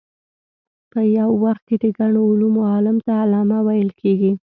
په یو وخت کې د ګڼو علومو عالم ته علامه ویل کېږي.